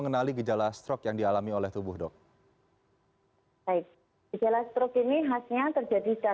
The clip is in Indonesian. selamat pagi kabar baik